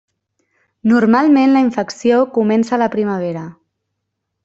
Normalment la infecció comença a la primavera.